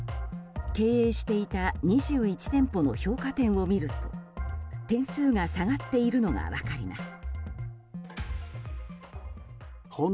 経営していた２１店舗の評価点を見ると点数が下がっているのが分かります。